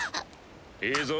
いいぞ。